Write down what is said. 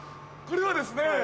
これはですね